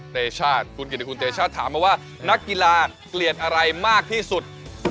เตชาติคุณเกียรติคุณเตชาติถามมาว่านักกีฬาเกลียดอะไรมากที่สุด